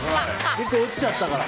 １個落ちちゃったから。